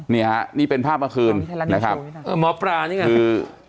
นี่ฮะนี่เป็นภาพมาคืนคือ